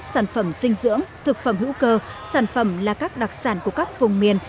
sản phẩm dinh dưỡng thực phẩm hữu cơ sản phẩm là các đặc sản của các vùng miền